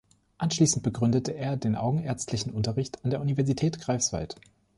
Anschließend begründete er den augenärztlichen Unterricht an der Universität Greifswald.